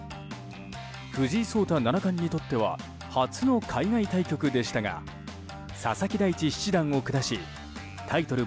藤井聡太七冠にとっては初の海外対局でしたが佐々木大地七段を下しタイトル